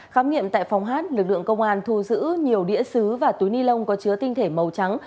khám nghiệm tại phòng hát lực lượng công an thu giữ nhiều đĩa xứ và túi ni lông có chứa tinh thể màu trắng